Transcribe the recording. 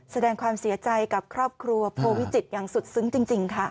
แสดงความเสียใจกับครอบครัวโพวิจิตรอย่างสุดซึ้งจริงค่ะ